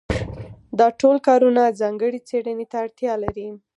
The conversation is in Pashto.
دا ټول کارونه ځانګړې څېړنې ته اړتیا لري.